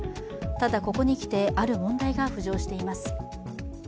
ただ、ここにきてある問題が浮上しています。